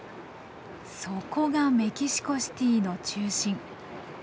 そこがメキシコシティの中心。